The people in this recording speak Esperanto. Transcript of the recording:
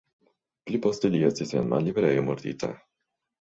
Pli poste li estis en malliberejo murdita.